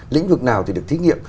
lĩnh vực nào thì được thí nghiệm